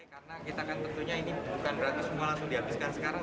karena kita akan tentunya ini bukan berarti semua langsung dihabiskan sekarang